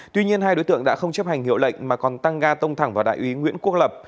tuy nhiên hai đối tượng đã không chấp hành hiệu lệnh mà còn tăng ga tông thẳng vào đại úy nguyễn quốc lập